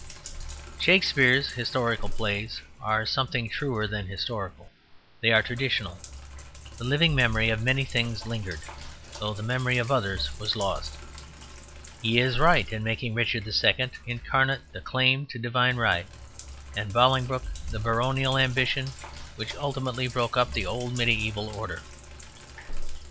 Shakespeare's historical plays are something truer than historical; they are traditional; the living memory of many things lingered, though the memory of others was lost. He is right in making Richard II. incarnate the claim to divine right; and Bolingbroke the baronial ambition which ultimately broke up the old mediæval order.